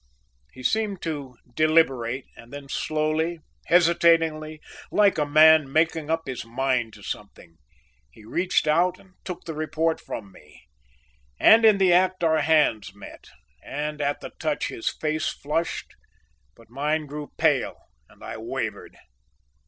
He seemed to deliberate and then slowly, hesitatingly, like a man making up his mind to something, he reached out and took the report from me, and in the act our hands met and at the touch his face flushed, but mine grew pale and I wavered.